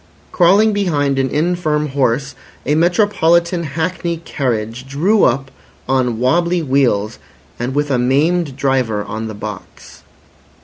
Crawling behind an infirm horse, a metropolitan hackney carriage drew up on wobbly wheels and with a maimed driver on the box.